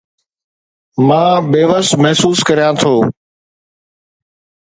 مان بيوس محسوس ڪريان ٿو